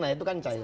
nah itu kan cair